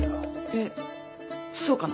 えっそうかな。